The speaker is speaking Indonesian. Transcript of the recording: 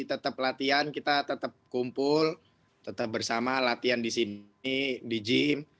tetap latihan kita tetap kumpul tetap bersama latihan di sini di gym